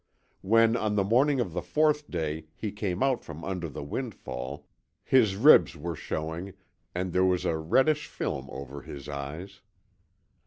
When on the morning of the fourth day he came out from under the windfall his ribs were showing and there was a reddish film over his eyes.